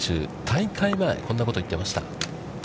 大会前、こんなことを言っていました。